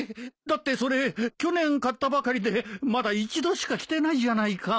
だってそれ去年買ったばかりでまだ一度しか着てないじゃないか。